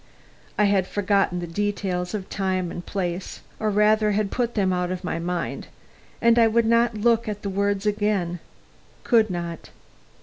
I had forgotten the details of time and place, or rather had put them out of my mind, and I would not look at the words again could not.